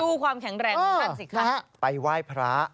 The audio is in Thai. ดูความแข็งแรงของท่านสิครับ